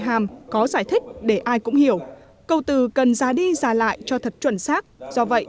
hàm có giải thích để ai cũng hiểu câu từ cần ra đi giả lại cho thật chuẩn xác do vậy